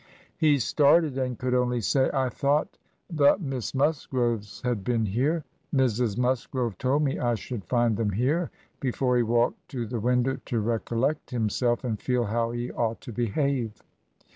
... He started, and could only say, 'I thought the Miss Musgroves had been here; Mrs. Musgrove told me I should find them here,' before he walked to the window to recollect himself, and feel how he ought to behave.